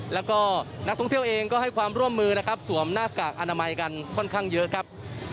แล้วก็นักท่องเที่ยวเองก็ให้ความร่วมมือนะครับสวมหน้ากากอนามัยกันค่อนข้างเยอะครับ